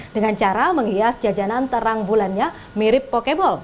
dengan cara menghias jajanan terang bulannya mirip pokebal